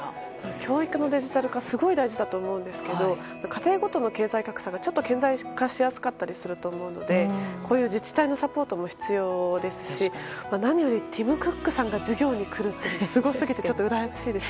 教育のデジタル化はすごい大事だと思うんですけど家庭ごとの経済格差がちょっと顕在化しやすいからこういう自治体のサポートも必要ですし何よりティム・クックさんが授業に来るってすごすぎてうらやましいです。